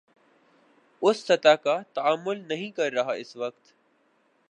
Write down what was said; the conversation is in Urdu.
اس سطح کا تعامل نہیں کر رہا اس وقت